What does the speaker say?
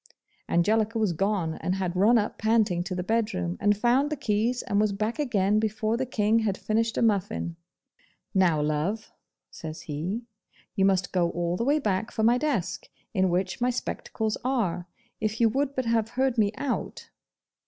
Angelica was gone, and had run up panting to the bedroom, and found the keys, and was back again before the King had finished a muffin. 'Now, love,' says he, 'you must go all the way back for my desk, in which my spectacles are. If you would but have heard me out.